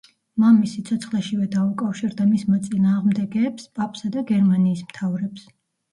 მამის სიცოცხლეშივე დაუკავშირდა მის მოწინააღმდეგეებს —პაპს და გერმანიის მთავრებს.